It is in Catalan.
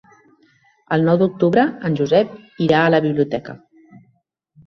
El nou d'octubre en Josep irà a la biblioteca.